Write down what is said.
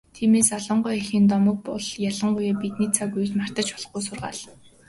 Тиймээс, Алан гоо эхийн домог бол ялангуяа бидний энэ цаг үед мартаж болохгүй сургаал.